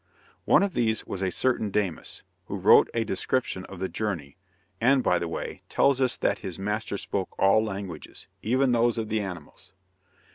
One of these was a certain Damis, who wrote a description of the journey, and, by the way, tells us that his master spoke all languages, even those of the animals.